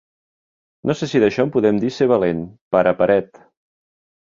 No sé si d'això en podem dir ser valent, pare paret.